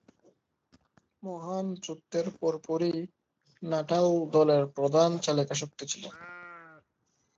মহান যুদ্ধের পরপরই নাটাল দলের প্রধান চালিকাশক্তি ছিলেন।